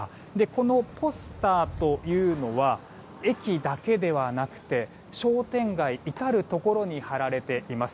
このポスターというのは駅だけではなくて商店街至るところに貼られています。